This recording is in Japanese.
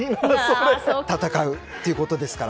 戦うってことですから。